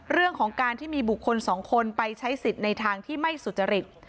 เรื่องของการที่มีบุคคลสองคนไปใช้สิทธิ์ในทางที่ไม่สุจริต